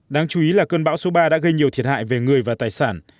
đáng chú ý là cơn bão số ba đã gây nhiều thiệt hại về người và tài sản